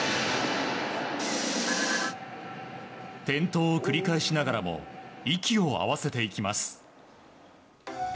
転倒を繰り返しながらも息を合わせていきます。